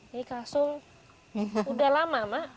ini kasung udah lama mak